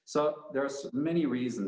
jadi ada banyak alasan